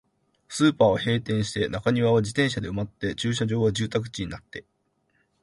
スーパーは閉店して、中庭は自転車で埋まって、駐車場は住宅地になって、